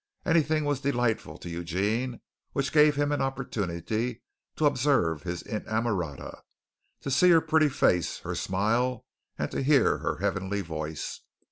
Anything was delightful to Eugene which gave him an opportunity to observe his inamorata, to see her pretty face, her smile, and to hear her heavenly voice.